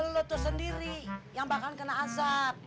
lo tuh sendiri yang bakalan kena azab